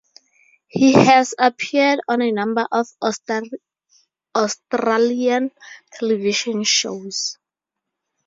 He has appeared on a number of Australian television shows.